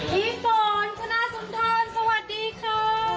พี่ฝนคณะสมทานสวัสดีค่ะ